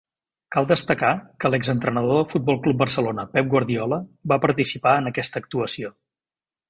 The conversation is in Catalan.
Cal destacar que l'exentrenador del Futbol Club Barcelona, Pep Guardiola, va participar en aquesta actuació.